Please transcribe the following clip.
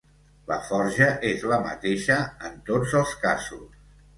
La forja és la mateixa en tots els casos.